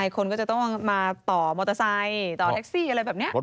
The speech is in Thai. คนก็จะต้องมาต่อมอเตอร์ไซค์ต่อแท็กซี่อะไรแบบนี้